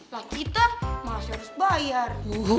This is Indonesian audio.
la kita mah harus bayar